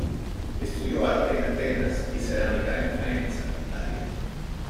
Estudió arte en Atenas y cerámica en Faenza, Italia.